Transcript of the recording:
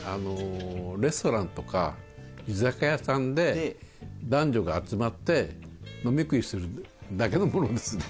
レストランとか居酒屋さんで男女が集まって飲み食いするだけのものですね。